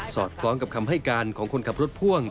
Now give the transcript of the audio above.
อดคล้องกับคำให้การของคนขับรถพ่วง